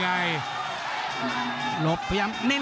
ภูตวรรณสิทธิ์บุญมีน้ำเงิน